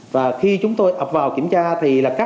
và khi chúng tôi ập vào kiểm tra thì là các